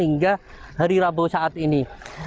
hingga hari rabu saat ini